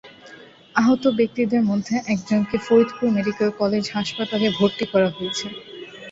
আহত ব্যক্তিদের মধ্যে একজনকে ফরিদপুর মেডিকেল কলেজ হাসপাতালে ভর্তি করা হয়েছে।